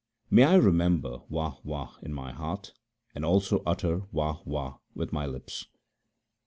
May I remember Wah ! Wah ! in my heart and also utter Wah ! Wah ! with my lips